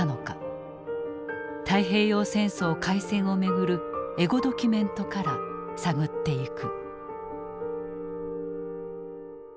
太平洋戦争開戦を巡るエゴドキュメントから探っていく。